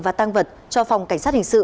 và tăng vật cho phòng cảnh sát hình sự